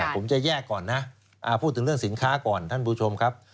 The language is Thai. ผมจะแยกก่อนนะพูดถึงเรื่องสินค้าก่อนท่านผู้ชมครับ